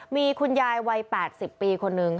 มีคุณยายวัย๘๐ปีคนนึง